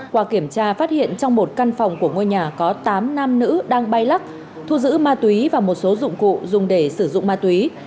qua kiểm tra phát hiện trong một căn phòng của ngôi nhà có tám nam nữ đang bay lắc thu giữ ma túy và một số dụng cụ dùng để sử dụng ma túy